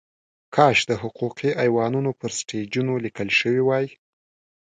کاش د حقوقي ایوانونو پر سټیجونو لیکل شوې وای.